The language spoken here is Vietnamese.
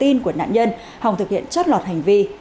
đối với những thông tin của nạn nhân hồng thực hiện chất lọt hành vi